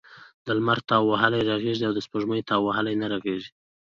د لمر تاو وهلی رغیږي او دسپوږمۍ تاو وهلی نه رغیږی .